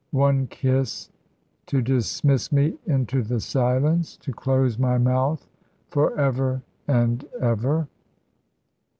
One kiss to dismiss me into the silence to close my mouth for ever and ever."